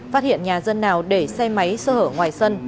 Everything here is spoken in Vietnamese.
phát hiện nhà dân nào để xe máy sơ hở ngoài sân